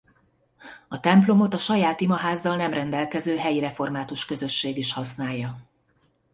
A templomot a saját imaházzal nem rendelkező helyi református közösség is használja.